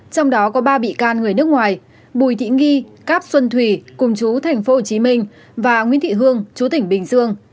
trong đó có ba bị can người nước ngoài bùi thị nghi cáp xuân thùy cùng chú tp hcm và nguyễn thị hương chú tỉnh bình dương